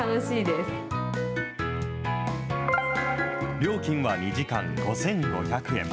料金は２時間５５００円。